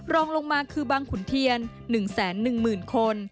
รองลงมาคือบางขุนเทียน๑๑๐๐๐คน